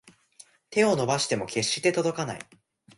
手を伸ばしても決して届かない